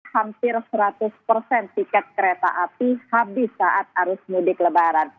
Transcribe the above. hampir seratus persen tiket kereta api habis saat arus mudik lebaran